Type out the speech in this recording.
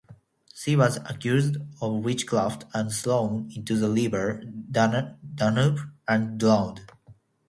She was accused of witchcraft and thrown into the River Danube and drowned.